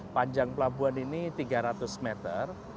panjang pelabuhan ini tiga ratus meter